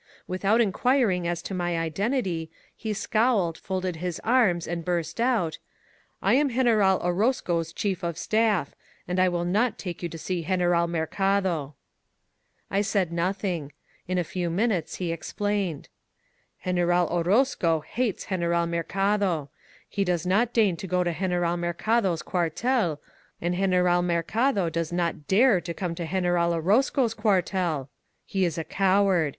Without inquiring a,s to my identity, he scowled, folded his arms, and burst out: "I am Greneral Orozco's chief of staff, and I will not take yoit to see General Mercado !" ON THE BORDER I said nothing. In a few minutes he explained : ^^Greneral Orozco hates Greneral Mercado! He does not deign to go to Greneral Mercado's euartel, and Gen eral Mercado does not dare to come to Greneral Oroz co's cuartel! He is a coward.